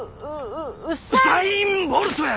ウサイン・ボルトや！